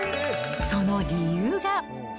その理由が。